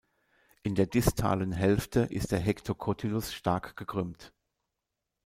In der distalen Hälfte ist der Hectocotylus stark gekrümmt.